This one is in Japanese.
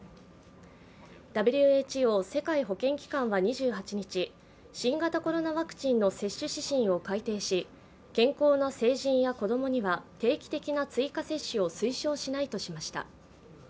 ＷＨＯ＝世界保健機関は２８日、新型コロナワクチンの接種指針を改定し、健康な成人や子供には定期的な追加接種を推奨しないとしました。